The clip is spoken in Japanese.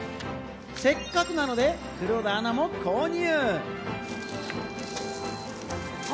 せっかくなので黒田アナも購入。